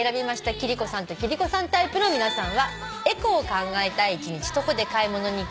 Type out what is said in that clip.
貴理子さんと貴理子さんタイプの皆さんは。